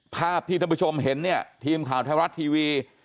ภาพที่ท่านผู้ชมเห็นเนี่ยทีมข่าวไทยรัฐทีวี